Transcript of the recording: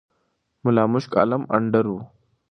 ملا مُشک عالَم اندړ وو